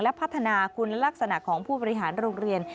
และพัฒนาคุณลักษณะของผู้บริหารโรงเรียน